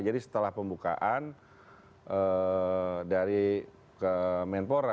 jadi setelah pembukaan dari ke menpora